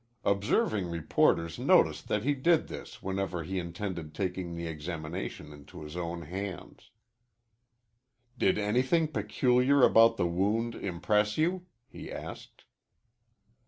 Observing reporters noticed that he did this whenever he intended taking the examination into his own hands. "Did anything peculiar about the wound impress you?" he asked.